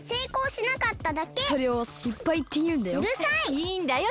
いいんだよ